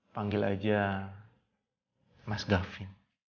panggil aja mas gavin